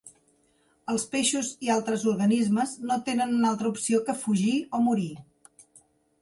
Els peixos i altres organismes no tenen una altra opció que fugir o morir.